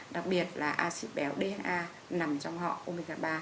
đặc biệt là acid béo dha nằm trong họ omega ba